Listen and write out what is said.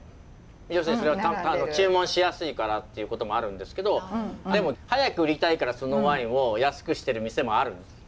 要するにそれは注文しやすいからっていうこともあるんですけど早く売りたいからそのワインを安くしてる店もあるんです。